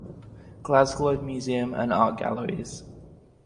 Glasgow Museum and Art Galleries.